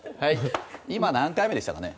今何回目でしたかね。